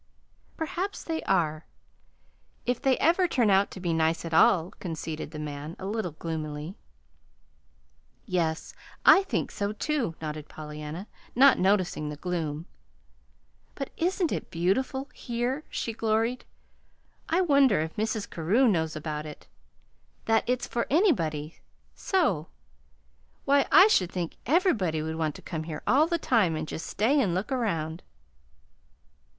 "Perhaps they are if they ever turn out to be nice at all," conceded the man, a little gloomily. "Yes, I think so," nodded Pollyanna, not noticing the gloom. "But isn't it beautiful here?" she gloried. "I wonder if Mrs. Carew knows about it that it's for anybody, so. Why, I should think everybody would want to come here all the time, and just stay and look around."